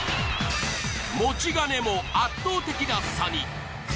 持ち金も圧倒的な差に。